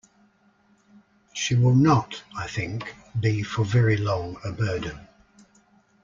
She will not, I think, be for very long a burden.